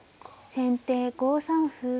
先手５三歩。